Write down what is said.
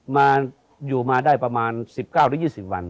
มาอยู่มาได้ประมาณ๑๙หรือ๒๐วัน